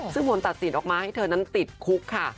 ซึ่งผลตัดสินออกมาให้เธอนั้นติดคุกค่ะ